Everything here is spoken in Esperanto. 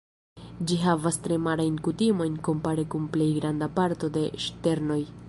Ĝi havas tre marajn kutimojn kompare kun plej granda parto de ŝternoj.